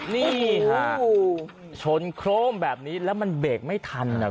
นี่ฮะชนโครมแบบนี้แล้วมันเบรกไม่ทันอ่ะ